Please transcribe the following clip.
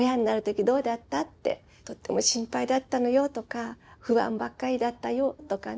「とっても心配だったのよ」とか「不安ばっかりだったよ」とかね。